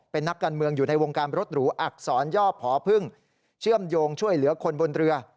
เป็นนักการเมืองอยู่ในวงการรถหรูอักษรย่อผอพึ่งเชื่อมโยงช่วยเหลือคนบนเรือ